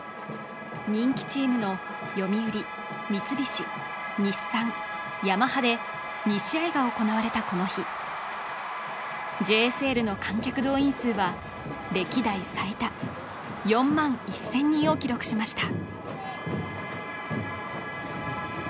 人気チームの読売三菱日産ヤマハで２試合が行われたこの日ＪＳＬの観客動員数は歴代最多４万１０００人を記録しました